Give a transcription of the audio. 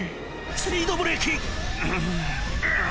スピードブレーキ！